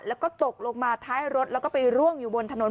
แล้วก็ตกลงมาท้ายรถแล้วก็ไปร่วงอยู่บนถนน